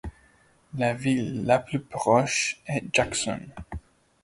La ville la plus proche est Jackson.